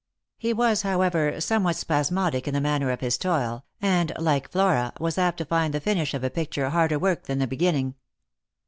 He was, however, somewhat np.ismodic in the manner of his toil, and, like Flora, was apt to find the finish of a picture harder work than the beginning.